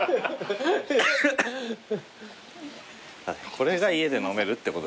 これが家で飲めるってこと。